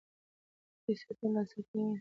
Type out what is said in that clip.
پیسې ترلاسه کوي.